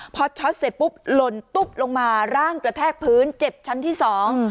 พอช็อตเสร็จปุ๊บหล่นตุ๊บลงมาร่างกระแทกพื้นเจ็บชั้นที่สอง